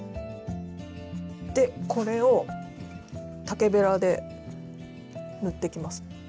でこれを竹べらで塗ってきます。